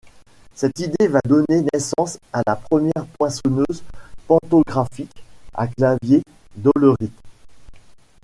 Cette idée va donner naissance à la première poinçonneuse pantographique à clavier d'Hollerith.